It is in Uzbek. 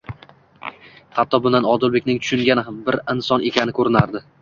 Hatto bundan Odilbekning tushungan bir inson ekani ko'rinardi.